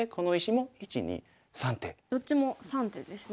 どっちも３手ですね。